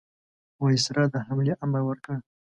وایسرا د حملې امر ورکړ.